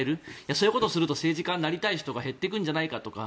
そういうことをすると政治家になりたい人が減ってくるんじゃないかとか。